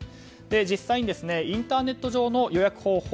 実際にインターネット上の予約方法